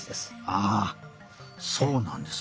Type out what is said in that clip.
あそうなんですね。